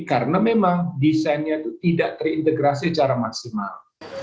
karena memang desainnya itu tidak terintegrasi secara maksimal